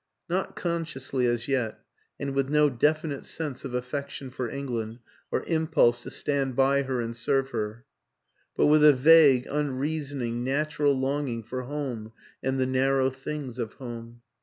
Not consciously as yet and with no definite sense of affection for England or impulse to stand by her and serve her; but with a vague, unreasoning, natural longing for home and the narrow things of home.